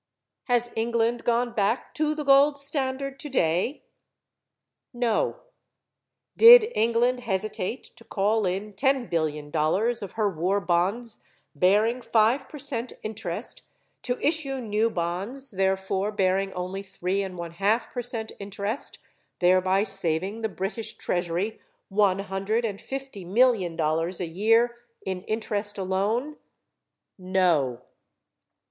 Has England gone back to the gold standard today? No. Did England hesitate to call in ten billion dollars of her war bonds bearing 5 percent interest, to issue new bonds therefore bearing only 3 1/2 percent interest, thereby saving the British treasury one hundred and fifty million dollars a year in interest alone? No.